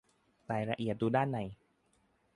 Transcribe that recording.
รายละเอียดดูด้านใน